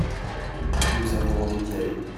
Nous avons envie d'y aller.